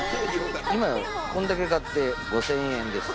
今こんだけ買って５，０００円です。